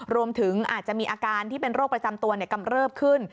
รวมถึงอาจจะมีอาการที่เป็นโรคประจำตัวกำเริบขึ้น